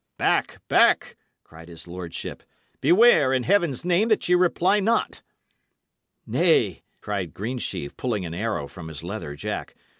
"Back! back!" cried his lordship. "Beware, in Heaven's name, that ye reply not." "Nay," cried Greensheve, pulling an arrow from his leather jack.